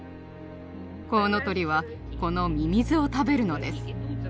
コウノトリはこのミミズを食べるのです。